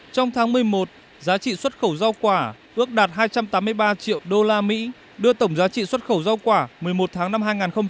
trong tháng một mươi một giá trị xuất khẩu rau quả ước đạt hai trăm tám mươi ba triệu usd đưa tổng giá trị xuất khẩu rau quả một mươi một tháng năm hai nghìn hai mươi ba